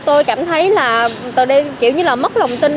tôi cảm thấy là tôi kiểu như là mất lòng tin